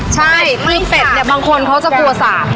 ใช่ปิ้งเป็ดเนี่ยบางคนเขาจะกลัวสาด